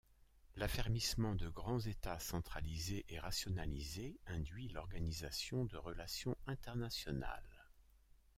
L'affermissement de grands États centralisés et rationalisés induit l'organisation de relations internationales.